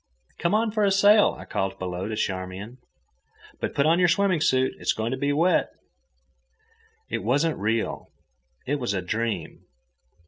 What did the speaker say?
"Come on for a sail," I called below to Charmian. "But put on your swimming suit. It's going to be wet." It wasn't real. It was a dream.